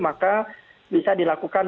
maka bisa dilakukan